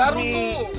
lo baru tuh